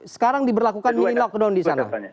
sekarang diberlakukan mini lockdown di sana